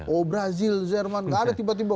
oh brazil jerman gak ada tiba tiba